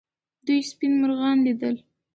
دوی سپین مرغان لیدل.